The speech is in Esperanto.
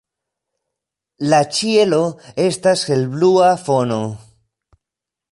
La ĉielo estas helblua fono.